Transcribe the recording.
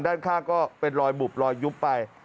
ด้านข้างก็เป็นรอยบุบลอยยุบไป